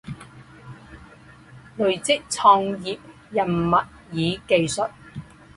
累积创业人脉与技术